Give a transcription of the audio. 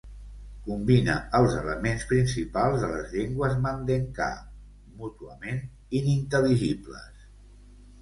Combina els elements principals de les llengües mandenkà mútuament inintel·ligibles.